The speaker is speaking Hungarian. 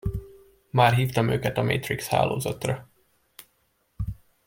Már hívtam őket a Matrix hálózatra.